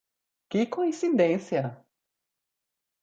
Que coincidência!